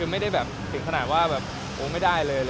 ไม่ได้ถึงขนาดว่าไม่ได้